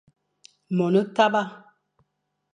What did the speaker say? Mone kaba.